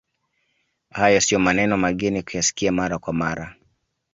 Hayo sio maneno mageni kuyasikia mara kwa mara